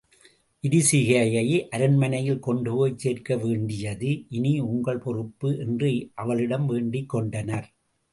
விரிசிகையை அரண்மனையில் கொண்டுபோய்ச் சேர்க்க வேண்டியது, இனி உங்கள் பொறுப்பு என்று அவளிடம் வேண்டிக்கொண்டனர்.